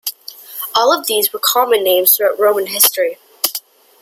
All of these were common names throughout Roman history.